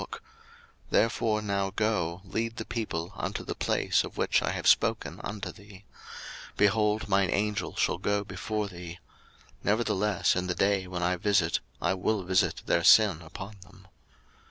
02:032:034 Therefore now go, lead the people unto the place of which I have spoken unto thee: behold, mine Angel shall go before thee: nevertheless in the day when I visit I will visit their sin upon them.